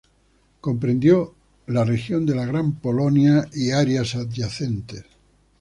Comprendió la región de la Gran Polonia y áreas adyacentes.